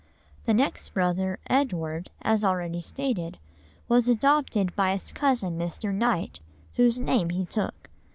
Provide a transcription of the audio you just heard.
The next brother, Edward, as already stated, was adopted by his cousin Mr. Knight, whose name he took.